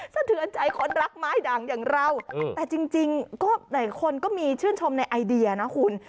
สะเทือนใจคนรักไม้ดังอย่างเราแต่จริงก็หลายคนก็มีชื่นชมในไอเดียนะคุณ